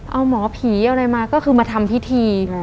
เอาหมอผีอะไรมาก็คือมาทำพิธี